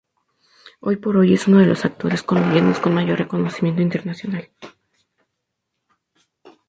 Hoy por hoy es uno de los actores colombianos con mayor reconocimiento internacional.